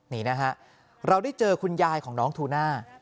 นี่นะฮะเราได้เจอคุณยายของน้องทูน่า